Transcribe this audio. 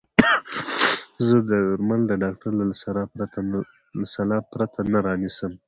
زه درمل د ډاکټر له سلا پرته نه رانيسم.